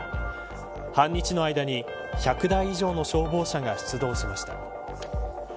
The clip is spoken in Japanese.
半日の間に１００台以上の消防車が出動しました。